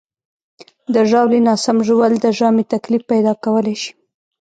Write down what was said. د ژاولې ناسم ژوول د ژامې تکلیف پیدا کولی شي.